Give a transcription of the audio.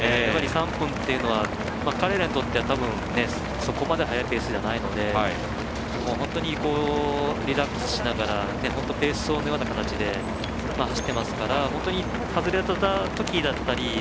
３分というのは彼らにとっては、多分そこまで速いペースじゃないので本当にリラックスしながらペース走のような形で走っていますから本当に外れた時だったり